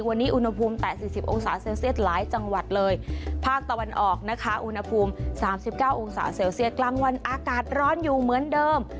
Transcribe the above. วันนี้อุณหภูมิแตะ๔๐องศาเซลเซียสหลายจังหวัดเลยภาคตะวันออกนะคะอุณหภูมิ๓๙องศาเซลเซียสกลางวันอากาศร้อนอยู่เหมือนเดิม